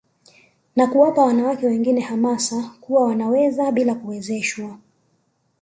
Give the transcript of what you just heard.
Na kuwapa wanawake wengine hamasa kuwa wanaweza bila kuwezeshwa